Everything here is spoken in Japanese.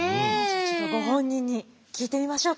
ちょっとご本人に聞いてみましょうか。